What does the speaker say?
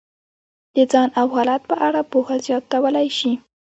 د ځان او حالت په اړه پوهه زیاتولی شي.